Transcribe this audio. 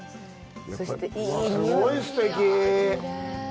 すごいすてき。